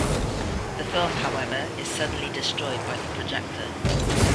The film, however, is suddenly destroyed by the projector.